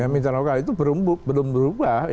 mitra lokal itu belum berubah